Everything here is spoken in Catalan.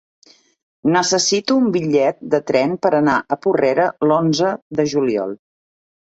Necessito un bitllet de tren per anar a Porrera l'onze de juliol.